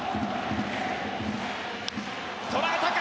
捉えたか！